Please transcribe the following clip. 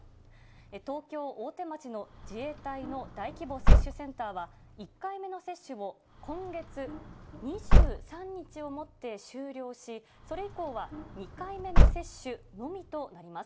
東京・大手町の自衛隊の大規模接種センターは、１回目の接種を今月２３日をもって終了し、それ以降は２回目の接種のみとなります。